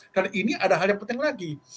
dan ini ada hal yang penting lagi